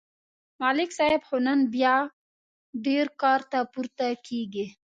ملک صاحب خو نن بیا ډېر کار ته پورته کېږي